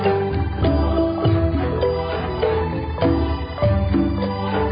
ที่สุดท้ายที่สุดท้ายที่สุดท้าย